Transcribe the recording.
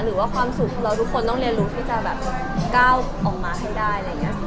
หรือว่าความสุขของเราทุกคนต้องเรียนรู้ที่จะแบบก้าวออกมาให้ได้อะไรอย่างนี้ค่ะ